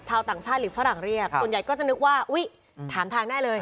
ต่างชาติหรือฝรั่งเรียกส่วนใหญ่ก็จะนึกว่าอุ๊ยถามทางได้เลย